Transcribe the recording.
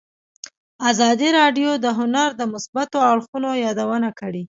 ازادي راډیو د هنر د مثبتو اړخونو یادونه کړې.